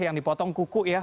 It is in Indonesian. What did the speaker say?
yang dipotong kuku ya